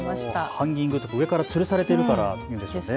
ハンギングって上からつるされているから言うんですね。